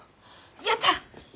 やった！